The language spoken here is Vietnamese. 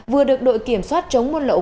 vừa được đội kiểm soát chống môn lậu